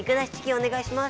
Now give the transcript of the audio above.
おねがいします。